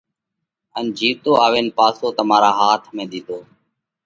ان جيوَتو آوين پاسو تمارا هاٿ ۾ ۮِيڌو۔